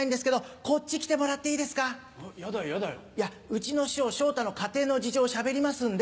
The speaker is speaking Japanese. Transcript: うちの師匠昇太の家庭の事情をしゃべりますんで。